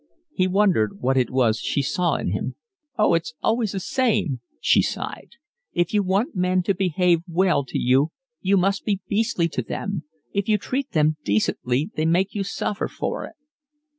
He wondered what it was she saw in him. "Oh, it's always the same," she sighed, "if you want men to behave well to you, you must be beastly to them; if you treat them decently they make you suffer for it."